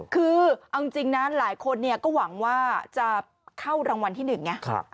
คือเอาจริงนะหลายคนก็หวังว่าจะเข้ารางวัลที่๑ไง